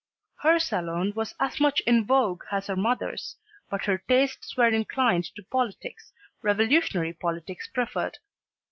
Her salon was as much in vogue as her mother's, but her tastes were inclined to politics, revolutionary politics preferred.